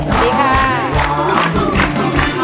ร้องได้ให้ร้อง